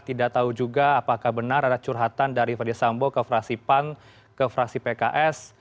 tidak tahu juga apakah benar ada curhatan dari verdi sambo ke fraksi pan ke fraksi pks